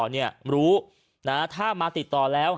เรารู้นะถ้ามาติดต่อแล้ว